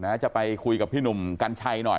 นะว่าจะไปคุยกับพี่หนุ่มกันใช้หน่อย